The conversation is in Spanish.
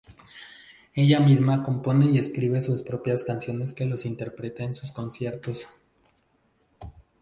Ella misma compone y escribe sus propias canciones que los interpreta en sus conciertos.